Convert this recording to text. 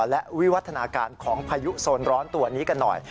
และวิวัฒนาการของพายุโซนร้อนตัวนี้กันหน่อย